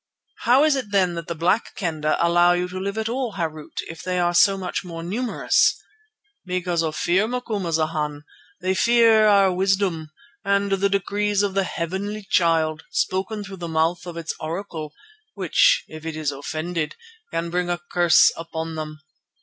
"How is it then that the Black Kendah allow you to live at all, Harût, if they are so much the more numerous?" "Because of fear, Macumazana. They fear our wisdom and the decrees of the Heavenly Child spoken through the mouth of its oracle, which, if it is offended, can bring a curse upon them.